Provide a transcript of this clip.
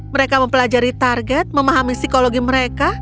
mereka mempelajari target memahami psikologi mereka